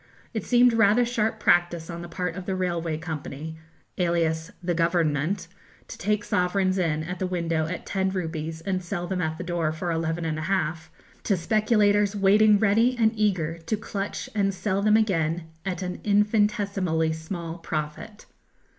It seemed rather sharp practice on the part of the railway company (alias the Government) to take sovereigns in at the window at ten rupees, and sell them at the door for eleven and a half, to speculators waiting ready and eager to clutch and sell them again at an infinitesimally small profit.